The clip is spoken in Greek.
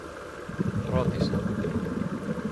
ρώτησα.